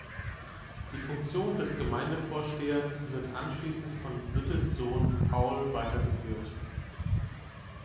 Die Funktion des Gemeindevorstehers wird anschließend von Wittes Sohn Paul weitergeführt.